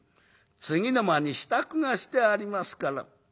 次の間に支度がしてありますから』」。